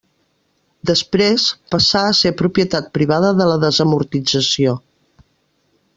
Després, passà a ser propietat privada de la desamortització.